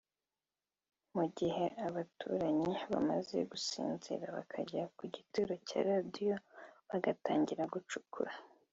mu gihe abaturanyi bamaze gusinzira bakajya kugituro cya Radio bagatangira gucukura